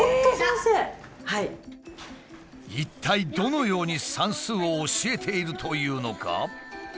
一体どのように算数を教えているというのか？